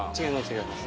違います